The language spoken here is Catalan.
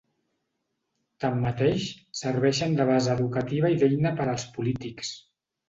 Tanmateix, serveixen de base educativa i d'eina per als polítics.